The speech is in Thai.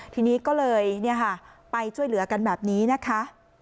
ทีนี้ก็เลยไปช่วยเหลือกันแบบนี้นะคะ